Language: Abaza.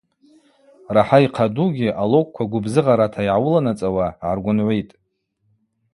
Рахӏа йхъадугьи, алокӏква гвыбзыгъарата йгӏауыларцӏауа гӏаргвынгӏвитӏ.